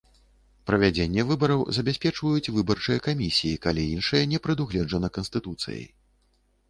Правядзенне выбараў забяспечваюць выбарчыя камісіі, калі іншае не прадугледжана Канстытуцыяй.